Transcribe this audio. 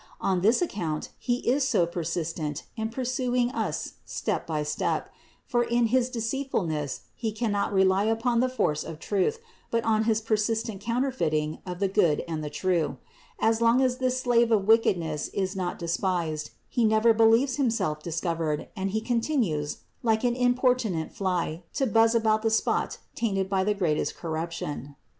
On this account he is so persistent in pursuing us step by step; for in his deceitfulness he cannot rely upon the force of truth, but on his persistent counter feiting of the good and the true. As long as this slave of wickedness is not despised, he never believes himself dis covered and he continues, like an importunate fly, to buzz about the spot tainted by the greatest corruption.